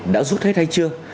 đã rút hết hay chưa